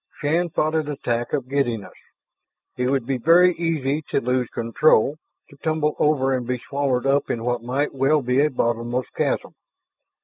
Shann fought an attack of giddiness. It would be very easy to lose control, to tumble over and be swallowed up in what might well be a bottomless chasm.